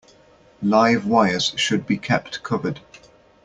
Live wires should be kept covered.